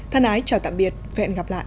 thân ái chào tạm biệt và hẹn gặp lại